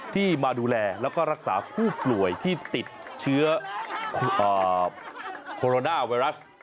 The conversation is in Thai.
ที่มาดูแลแล้วก็รักษาผู้ป่วยที่ติดเชื้อโคโรนาไวรัส